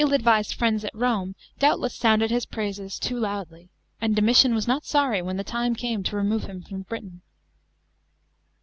403 ill advised friends at Rome doubtless sounded his praises ' to© loudly ; and Domitian was not sorry when the lime oame to remove him from Britain.